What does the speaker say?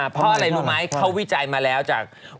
เพราะอะไรรู้ไหมเขาวิจัยมาแล้วจาก